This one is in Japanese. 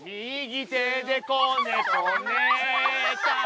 右手でこねこね！